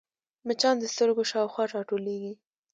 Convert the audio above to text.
مچان د سترګو شاوخوا راټولېږي